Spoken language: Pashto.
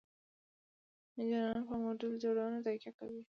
انجینران په موډل جوړونه تکیه کوي.